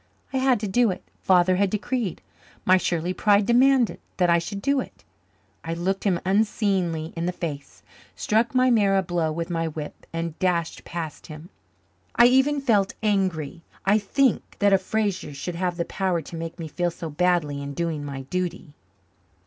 I had to do it Father had decreed my Shirley pride demanded that I should do it. I looked him unseeingly in the face, struck my mare a blow with my whip, and dashed past him. I even felt angry, I think, that a Fraser should have the power to make me feel so badly in doing my duty.